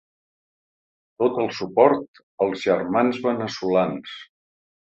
Tot el suport als germans veneçolans.